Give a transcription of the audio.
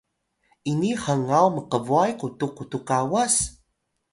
ini hngaw mkbway qutux qutux kawas?